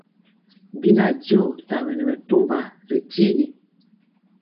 Bina diɔ tabɛne bɛtɔmba ri tyigi.